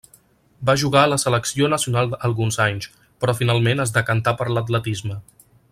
Va jugar a la selecció nacional alguns anys, però finalment es decantà per l'atletisme.